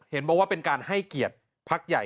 บอกว่าเป็นการให้เกียรติพักใหญ่